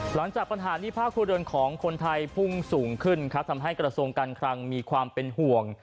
หลังจากปัญหานี้ภาคครัวเดินของคนไทยพุ่งสูงขึ้นครับทำให้กระทรวงการคลังมีความเป็นห่วง